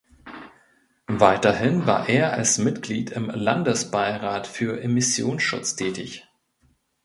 Weiterhin war er als Mitglied im Landesbeirat für Immissionsschutz tätig.